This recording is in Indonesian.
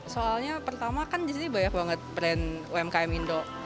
soalnya pertama kan disini banyak banget brand umkm indo